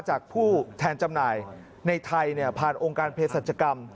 จากผู้แทนจำหน่ายในไทยผ่านองค์การเพศรัชกรรม